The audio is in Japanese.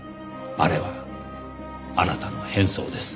あれはあなたの変装です。